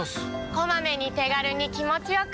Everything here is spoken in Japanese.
こまめに手軽に気持ちよく。